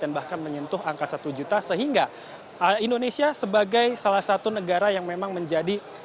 dan bahkan menyentuh angka satu juta sehingga indonesia sebagai salah satu negara yang memang menjadi